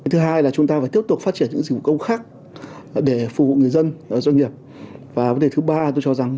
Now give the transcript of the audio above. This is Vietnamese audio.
thứ hai là chúng ta phải tiếp tục phát triển dịch vụ công trực tuyến